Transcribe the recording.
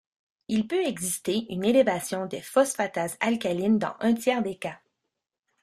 Il peut exister une élévation des phosphatases alcalines dans un tiers des cas.